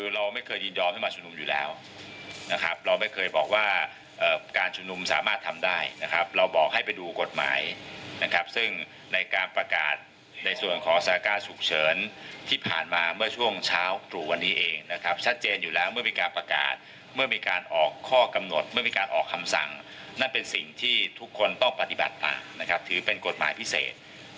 เราไม่เคยยินยอมให้มาชุมนุมอยู่แล้วนะครับเราไม่เคยบอกว่าการชุมนุมสามารถทำได้นะครับเราบอกให้ไปดูกฎหมายนะครับซึ่งในการประกาศในส่วนของสถานการณ์ฉุกเฉินที่ผ่านมาเมื่อช่วงเช้าตรู่วันนี้เองนะครับชัดเจนอยู่แล้วเมื่อมีการประกาศเมื่อมีการออกข้อกำหนดเมื่อมีการออกคำสั่งนั่นเป็นสิ่งที่ทุกคนต้องปฏิบัติตามนะครับถือเป็นกฎหมายพิเศษ